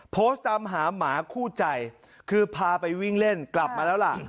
โพสต์ตามหาหมาคู่ใจคือพาไปวิ่งเล่นกลับมาแล้วล่ะ